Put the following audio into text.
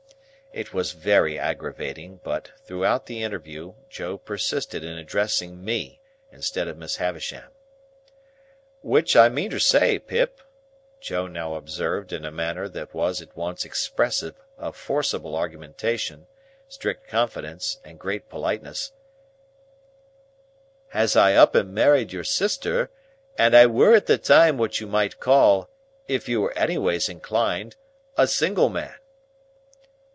It was very aggravating; but, throughout the interview, Joe persisted in addressing Me instead of Miss Havisham. "Which I meantersay, Pip," Joe now observed in a manner that was at once expressive of forcible argumentation, strict confidence, and great politeness, "as I hup and married your sister, and I were at the time what you might call (if you was anyways inclined) a single man."